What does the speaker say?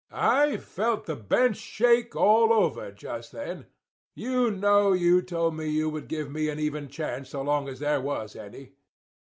I felt the bench shake all over just then. You know you told me you would give me an even chance as long as there was any.